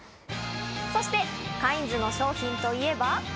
そしてカインズの商品といえば。